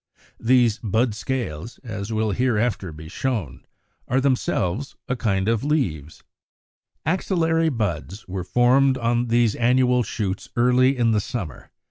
These bud scales, as will hereafter be shown, are themselves a kind of leaves. 49. =Axillary Buds= were formed on these annual shoots early in the summer.